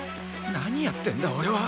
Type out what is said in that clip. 何やってんだ俺は！